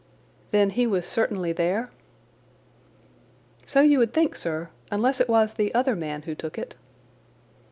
"Then he was certainly there?" "So you would think, sir, unless it was the other man who took it."